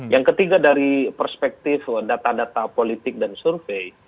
yang ketiga dari perspektif data data politik dan survei